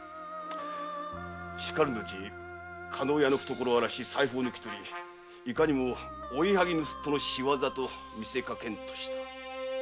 しかるのち加納屋の懐を荒らし財布を抜き取りいかにも追いはぎ盗人の仕業と見せかけんとした。